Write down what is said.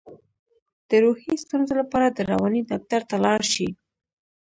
د روحي ستونزو لپاره د رواني ډاکټر ته لاړ شئ